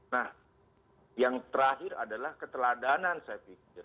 nah yang terakhir adalah keteladanan saya pikir